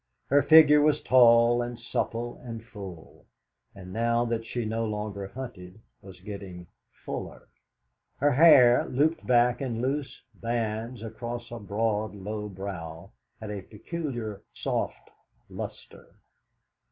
Her figure was tall and supple and full, and now that she no longer hunted was getting fuller. Her hair, looped back in loose bands across a broad low brow, had a peculiar soft lustre.